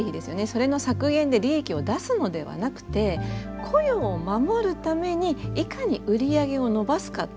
それの削減で利益を出すのではなくて雇用を守るためにいかに売り上げを伸ばすか。